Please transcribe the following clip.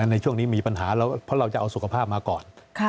ในช่วงนี้มีปัญหาเพราะเราจะเอาสุขภาพมาก่อน